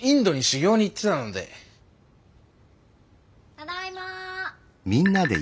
・ただいま。